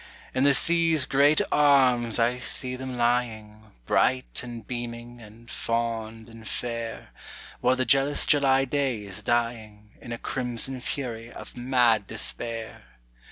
In the sea's great arms I see them lying, Bright and beaming and fond and fair, While the jealous July day is dying In a crimson fury of mad despair.